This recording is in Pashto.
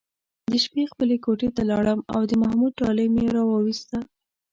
د شپې خپلې کوټې ته لاړم او د محمود ډالۍ مې راوویسته.